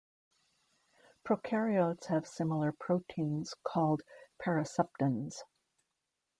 Prokaryotes have similar proteins called paraseptins.